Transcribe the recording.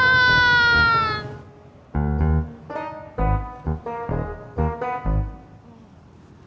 aku lagi bertenang